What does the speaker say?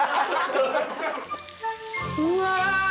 うわ！